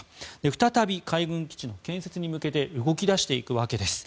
再び、海軍基地の建設に向けて動き出していくわけです。